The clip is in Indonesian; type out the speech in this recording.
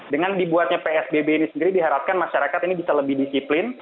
dengan dibuatnya psbb ini sendiri diharapkan masyarakat ini bisa lebih disiplin